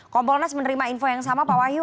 kompolnas menerima info yang sama pak wahyu